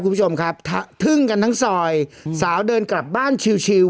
คุณผู้ชมครับทึ่งกันทั้งซอยสาวเดินกลับบ้านชิว